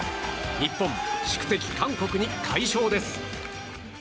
日本、宿敵・韓国に快勝です。